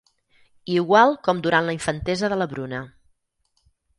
Igual com durant la infantesa de la Bruna.